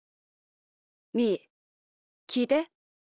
みーきいて。